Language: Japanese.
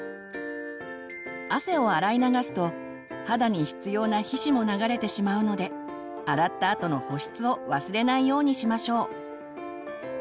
汗を洗い流すと肌に必要な皮脂も流れてしまうので洗ったあとの保湿を忘れないようにしましょう。